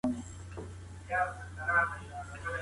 ما پرون نوټونه وليکل.